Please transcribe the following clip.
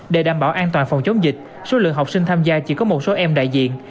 để đảm bảo an toàn phòng chống dịch số lượng học sinh tham gia chỉ có một số em đại diện